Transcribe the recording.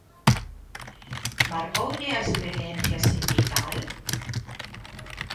Marcoulle a experiencia sindical?